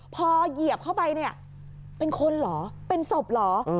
พอเหยียบเข้าไปเนี่ยเป็นคนเหรอเป็นศพเหรอ